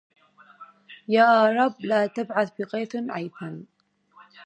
يا رب لا تبعث بغيث عيثا